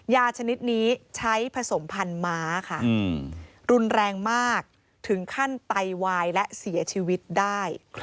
ชนิดนี้ใช้ผสมพันธุ์ม้าค่ะรุนแรงมากถึงขั้นไตวายและเสียชีวิตได้